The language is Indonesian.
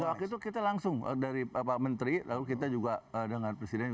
waktu itu kita langsung dari pak menteri lalu kita juga dengan presiden